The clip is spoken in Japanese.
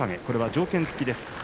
これは条件付きです。